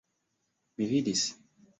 Mi vidis.